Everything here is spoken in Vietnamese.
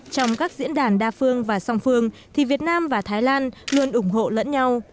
trong các diễn đàn đa phương và song phương thì việt nam và thái lan luôn ủng hộ lẫn nhau